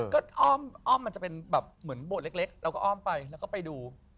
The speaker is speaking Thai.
ก็อ้อมมันจะเป็นแบบเหมือนโบสถเล็กเราก็อ้อมไปแล้วก็ไปดู